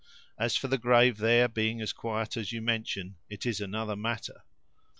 As for the grave there being as quiet as you mention, it is another matter.